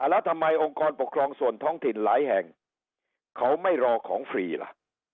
แล้วทำไมองค์กรปกครองส่วนท้องถิ่นหลายแห่งเขาไม่รอของฟรีล่ะ